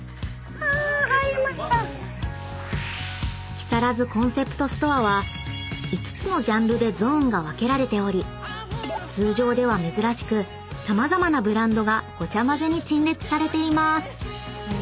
［木更津コンセプトストアは５つのジャンルでゾーンが分けられており通常では珍しく様々なブランドがごちゃ混ぜに陳列されています］